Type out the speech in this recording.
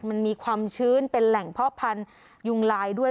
มันมีความชื้นเป็นแหล่งเพาะพันธุยุงลายด้วย